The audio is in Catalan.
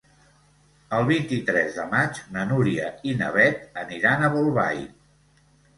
El vint-i-tres de maig na Núria i na Beth aniran a Bolbait.